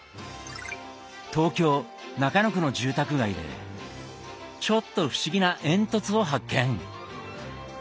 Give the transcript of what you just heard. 東京・中野区の住宅街でちょっと不思議な煙突を発見！